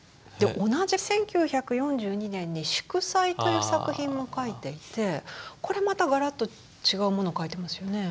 同じ１９４２年に「祝祭」という作品も描いていてこれまたガラッと違うものを描いていますよね。